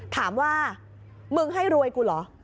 ถามว่ามึงให้รวยกูเหรอ